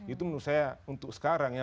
itu menurut saya untuk sekarang ya